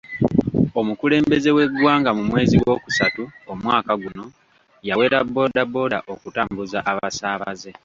Omukulembeze w'eggwanga mu mwezi gw'okusatu omwaka guno yawera boda boda okutambuza abasaabaze.